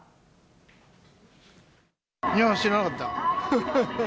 いや、知らなかった。